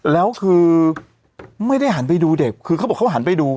แล้วคือไม่ได้หันไปดูเด็กคือเขาบอกเขาหันไปดู